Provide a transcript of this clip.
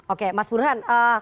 oke mas burhan